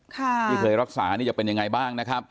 ที่เคยรักษานี่จะเป็นยังไงบ้างนะครับ